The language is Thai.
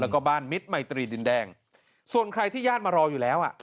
แล้วก็บ้านมิตรมัยตรีดินแดงส่วนใครที่ญาติมารออยู่แล้วอ่ะ